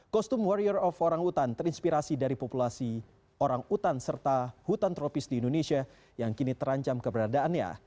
kostum warrior of orang utan terinspirasi dari populasi orang hutan serta hutan tropis di indonesia yang kini terancam keberadaannya